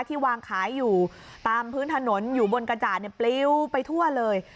ที่วางขายอยู่ตามพื้นถนนอยู่บนกระจาดเนี่ยปลิ้วไปทั่วเลย